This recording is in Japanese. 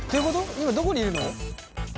今どこにいるの？